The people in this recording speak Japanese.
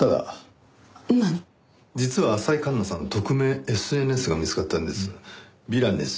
実は浅井環那さんの匿名ＳＮＳが見つかったんです。